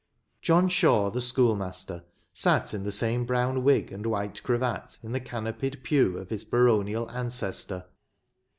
John Shaw, the schoolmaster, sat in the same brown wig and white cravat in the canopied pew of his baronial ancestor.